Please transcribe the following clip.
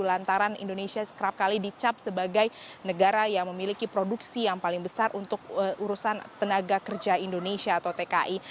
lantaran indonesia kerap kali dicap sebagai negara yang memiliki produksi yang paling besar untuk urusan tenaga kerja indonesia atau tki